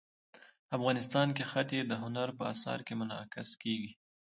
افغانستان کې ښتې د هنر په اثار کې منعکس کېږي.